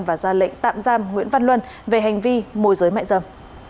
và ra lệnh tạm giam nguyễn văn luân về hành vi môi giới mại dâm